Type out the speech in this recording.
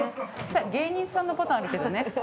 芸人さんのパターンあるけどね。